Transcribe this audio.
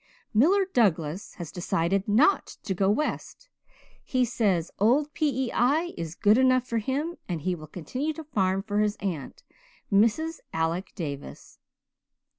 "'Miller Douglas has decided not to go West. He says old P.E.I. is good enough for him and he will continue to farm for his aunt, Mrs. Alec Davis.'"